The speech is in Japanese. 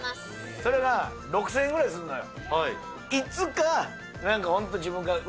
それが６０００円ぐらいすんのよ。